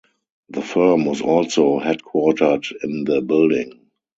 The firm was also headquartered in the building.